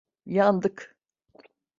Yandık!